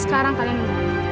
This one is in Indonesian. sekarang kalian mau